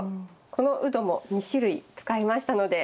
このウドも２種類使いましたので。